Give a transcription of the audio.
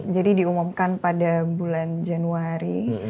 diumumkan pada bulan januari